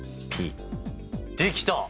できた！